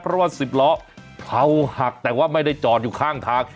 เพราะว่า๑๐ล้อเขาหักแต่ว่าไม่ได้จอดอยู่ข้างทาง